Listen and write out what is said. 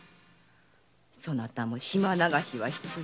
そなたも島流しは必定。